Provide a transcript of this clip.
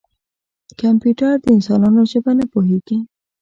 کمپیوټر د انسانانو ژبه نه پوهېږي.